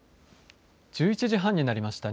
１１時半になりました。